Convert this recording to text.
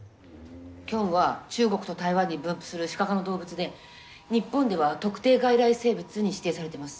キョンは中国と台湾に分布するシカ科の動物で日本では特定外来生物に指定されてます。